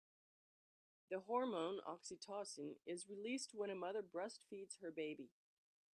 The hormone oxytocin is released when a mother breastfeeds her baby.